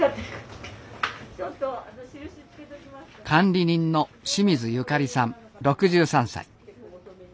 管理人の清水ゆかりさん６３歳。